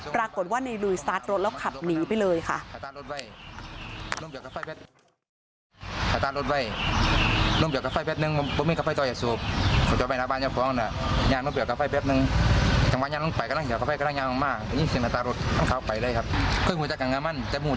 ปรากฏว่าในลุยสตาร์ทรถแล้วขับหนีไปเลยค่ะ